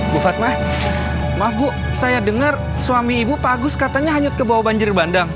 bu fatma maaf bu saya dengar suami ibu pak agus katanya hanyut ke bawah banjir bandang